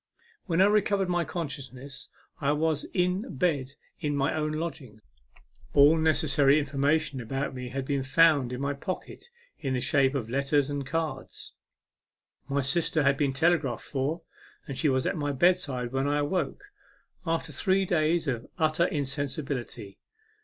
When I recovered my consciousness I was in bed in my own lodgings. All necessary in formation about me had been found in my pocket, in the shape of letters and cards. My sister had been telegraphed for, and she was at my bedside when I awoke, after three days of utter insensibility.